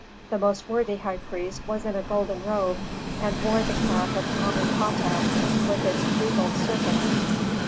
The most worthy high priest was in a golden robe, and wore the cap of Amenhôtep with its regal serpent.